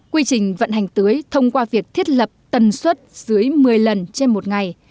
quy trình vận hành tưới thông qua việc thiết lập tần suất dưới một mươi lần trên một ngày